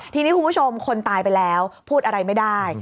ทีนี้คุณผู้ชมคนตายไปแล้วพูดอะไรไม่ได้